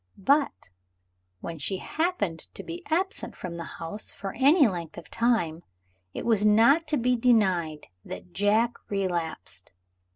But, when she happened to be absent from the house, for any length of time, it was not to be denied that Jack relapsed.